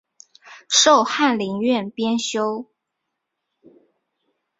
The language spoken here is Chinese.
授翰林院编修。